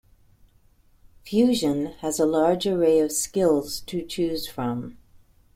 "Fuzion" has a large array of Skills to choose from.